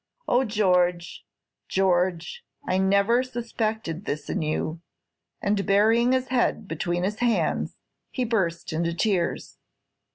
Oh, George, George, I never suspected this in you;" and burying his head between his hands, he burst into tears.